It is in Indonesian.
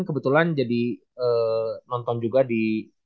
kebetulan jadi nonton juga di